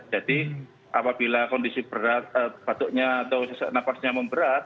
jadi apabila kondisi berat patoknya atau napasnya memberat